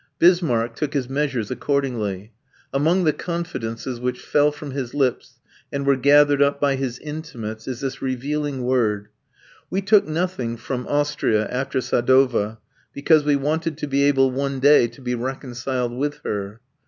Bismarck took his measures accordingly. Among the confidences which fell from his lips and were gathered up by his intimates is this revealing word: "We took nothing from Austria after Sadowa because we wanted to be able one day to be reconciled with her."